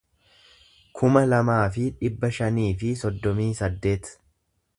kuma lamaa fi dhibba shanii fi soddomii saddeet